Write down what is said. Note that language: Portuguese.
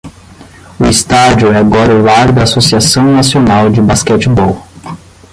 O estádio é agora o lar da Associação Nacional de basquetebol.